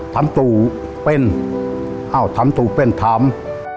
ทำตู่เป็นทำตู่เป็นทำ